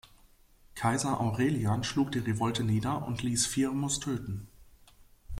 Kaiser Aurelian schlug die Revolte nieder und ließ Firmus töten.